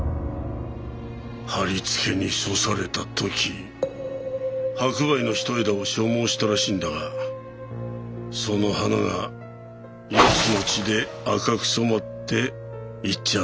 はりつけに処された時白梅の一枝を所望したらしいんだがその花がやつの血で赤く染まって言っちゃ